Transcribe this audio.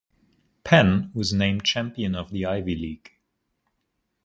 Penn was named champion of the Ivy League.